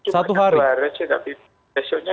satu hari aja